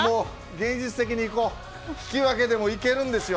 現実的に引き分けでもいけるんですよ。